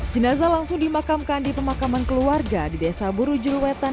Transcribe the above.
jenazah langsung dimakamkan di pemakaman keluarga di desa burujulwetan